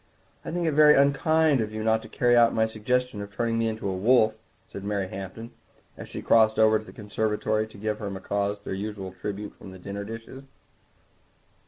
"I think it very unkind of you not to carry out my suggestion of turning me into a wolf," said Mary Hampton, as she crossed over to the conservatory to give her macaws their usual tribute from the dessert dishes.